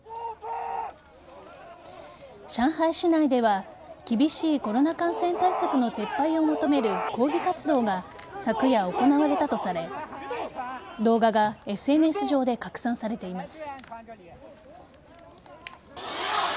上海市内では厳しいコロナ感染対策の撤廃を求める抗議活動が昨夜行われたとされ動画がＳＮＳ上で拡散されています。